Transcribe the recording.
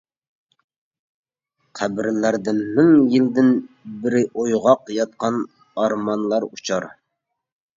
قەبرىلەردە مىڭ يىلدىن بېرى ئويغاق ياتقان ئارمانلار ئۇچار.